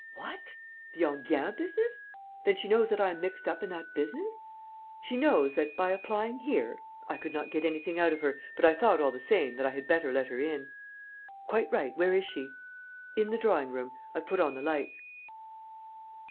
"What! The Enghien business! Then she knows that I am mixed up in that business.... She knows that, by applying here...." "I could not get anything out of her, but I thought, all the same, that I had better let her in." "Quite right. Where is she?" "In the drawing room. I've put on the lights."